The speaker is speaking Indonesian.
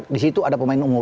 di situ ada pemain umum